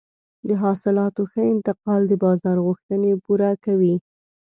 د حاصلاتو ښه انتقال د بازار غوښتنې پوره کوي.